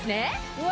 うわ！